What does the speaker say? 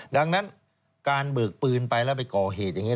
ดังนั้นการเบิกปืนไปแล้วไปก่อเหตุอย่างนี้